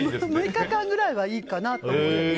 ６日間くらいはいいかなと思う。